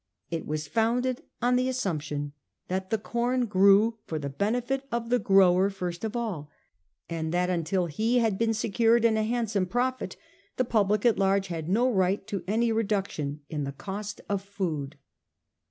It was founded on the assumption that the corn grew for the benefit of the grower first of all ; and that until he had been secured in a handsome profit the public at large had no right to any reduction in the cost of food.